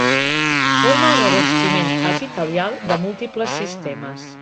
Forma el revestiment epitelial de múltiples sistemes.